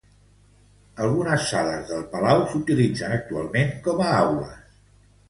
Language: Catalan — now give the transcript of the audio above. Algunes sales del palau s'utilitzen actualment com a aules.